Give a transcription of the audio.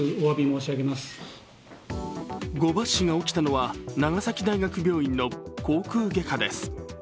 誤抜歯が起きたのは長崎大学病院の口腔外科です。